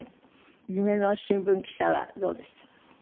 夢の新聞記者はどうでしたか？